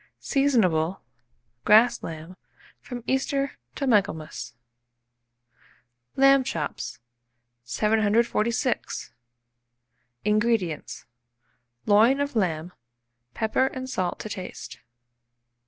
Seasonable, grass lamb, from Easter to Michaelmas. LAMB CHOPS. 746. INGREDIENTS. Loin of lamb, pepper and salt to taste.